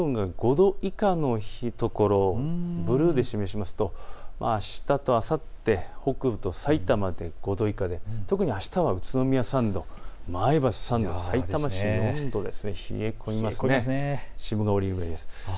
最低気温が５度以下のところブルーで示すとあしたとあさって北部とさいたまで５度以下であしたは宇都宮３度、前橋３度、さいたま市４度です。